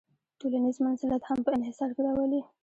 ټولنیز منزلت هم په انحصار کې راولي.